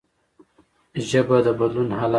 ژبه د بدلون اله ده